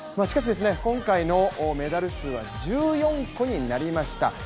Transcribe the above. しかし、今回のメダル数は１４個になりました。